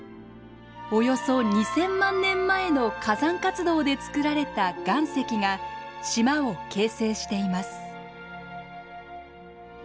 およそ２，０００万年前の火山活動で作られた岩石が島を形成しています。